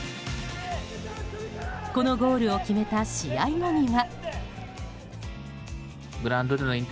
このゴールを決めた試合後には。